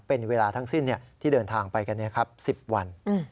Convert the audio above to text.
เป็นเวลาทั้งสิ้นที่เดินทางไปกัน๑๐วัน